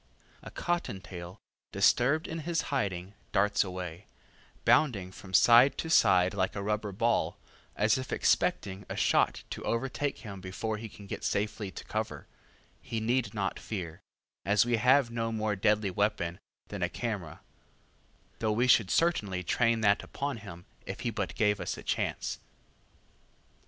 A cotton tail, disturbed in his hiding, darts away, bounding from side to side like a rubber ball, as if expecting a shot to overtake him before he can get safely to cover He need not fear, as we have no more deadly weapon than a camera, though we should certainly train that upon him if he but gave us a chance.